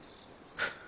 フッ。